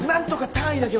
単位だけ。